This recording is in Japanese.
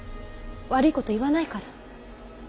悪いこと言わないから。